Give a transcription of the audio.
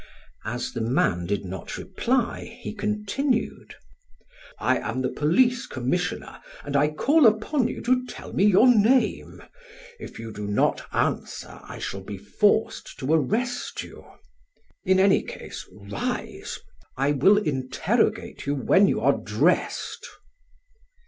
As the man did not reply, he continued: "I am the police commissioner and I call upon you to tell me your name. If you do not answer, I shall be forced to arrest you. In any case, rise. I will interrogate you when you are dressed."